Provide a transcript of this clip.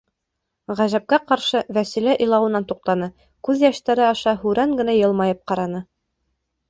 Ғәжәпкә ҡаршы, Вәсилә илауынан туҡтаны, күҙ йәштәре аша һүрән генә йылмайып ҡараны.